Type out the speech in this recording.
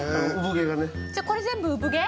じゃあこれ全部産毛？